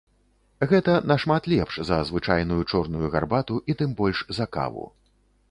Гэта нашмат лепш за звычайную чорную гарбату і тым больш за каву.